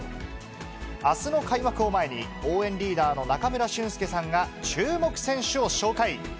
あすの開幕を前に、応援リーダーの中村俊輔さんが注目選手を紹介。